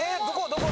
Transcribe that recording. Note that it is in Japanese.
どこ？